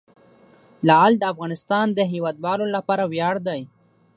لعل د افغانستان د هیوادوالو لپاره ویاړ دی.